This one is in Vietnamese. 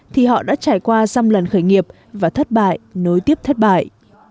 thì họ đã trải qua xăm lần khởi nghiệp và thất bại nối tiếp thất bại